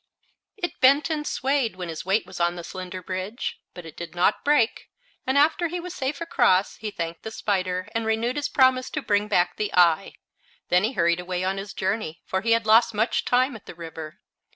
It bent and swayed when his weight was on the slender bridge, but it did not break, and after he was safe across he thanked the spider and renewed his promise to bring back the eye. Then he hurried away on his journey, for he had lost much time at the river.